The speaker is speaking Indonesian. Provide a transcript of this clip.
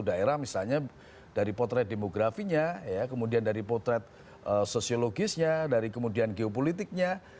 dari daerah misalnya dari potret demografinya kemudian dari potret sosiologisnya dari kemudian geopolitiknya